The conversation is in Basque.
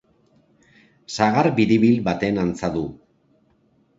Sagar biribil baten antza du.